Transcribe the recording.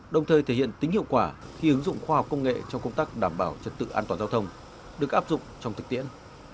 đồng thời thể hiện tính hiệu quả khi ứng dụng khoa học công nghệ trong công tác đảm bảo trật tự an toàn giao thông được áp dụng trong thực tiễn